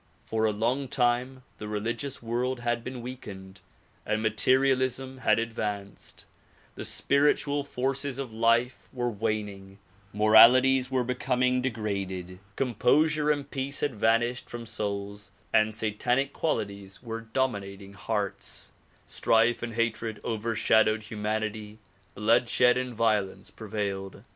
For a long time the religious world liad been 92 THE PBOMULGATION OF UNIVERSAL PEACE weakened and materialism had advanced ; the spiritual forces of life were waning, moralities were becoming degraded, composure and peace had vanished from souls and satanic qualities were dominat ing hearts ; strife and hatred overshadowed humanity, bloodshed and violence prevailed.